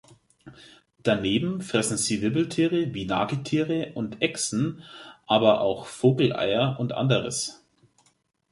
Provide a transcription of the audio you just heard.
Daneben fressen sie Wirbeltiere wie Nagetiere und Echsen, aber auch Vogeleier und anderes.